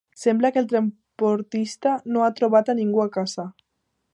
Sembla que el transportista no ha trobat a ningú a casa.